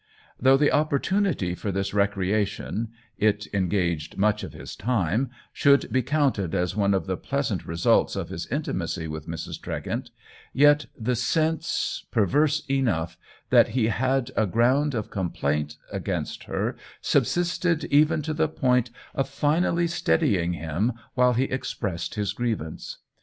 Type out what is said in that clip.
Though the opportunity for this recre ation — it engaged much of his time — should be counted as one of the pleasant results of his intimacy with Mrs. Tregent, yet 74 THE WHEEL OF TIME the sense, perverse enough, that he had a ground of complaint against her subsisted even to the point of finally steadying him while he expressed his grievance.